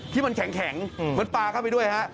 ที่มันแข็งมันปลาเข้าไปด้วยครับ